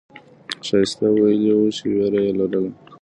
ښایسته ویلي وو چې ویره یې لرله.